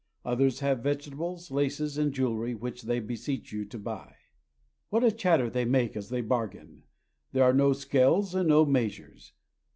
Others have vegetables, laces, and jewelry, which they beseech you to buy. What a chatter they make as they bargain ! There are no scales and no measures.